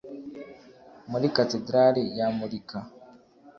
muri katedrali yamurika